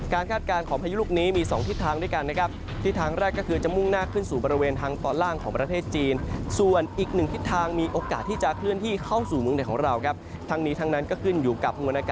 คาดการณ์ของพายุลูกนี้มี๒ทิศทางด้วยกันนะครับ